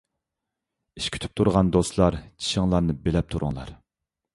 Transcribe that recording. ئىش كۈتۈپ تۇرغان دوستلار، چىشىڭلارنى بىلەپ تۇرۇڭلار.